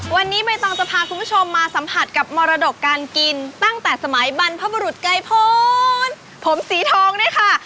วันนี้ใบตองจะพาคุณผู้ชมมาสัมผัสกับมรดกการกินตั้งแต่สมัยบรรพบุรุษไกรพลผมสีทองด้วยค่ะ